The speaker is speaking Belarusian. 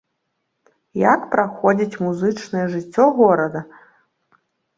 Як праходзіць музычная жыццё горада?